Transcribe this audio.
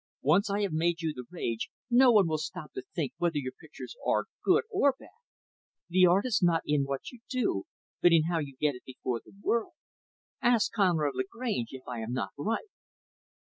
Once I have made you the rage, no one will stop to think whether your pictures are good or bad. The art is not in what you do, but in how you get it before the world. Ask Conrad Lagrange if I am not right."